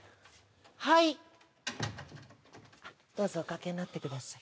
はいどうぞおかけになってください